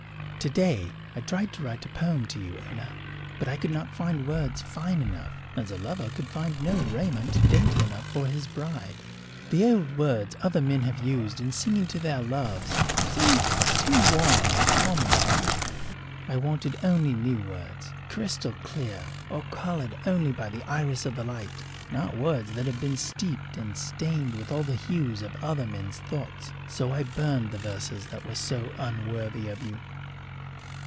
Today I tried to write a poem to you, Una, but I could not find words fine enough, as a lover could find no raiment dainty enough for his bride. The old words other men have used in singing to their loves seemed too worn and common for you. I wanted only new words, crystal clear or coloured only by the iris of the light, not words that have been steeped and stained with all the hues of other men's thoughts. So I burned the verses that were so unworthy of you.